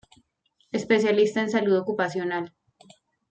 Especialista en Salud Ocupacional.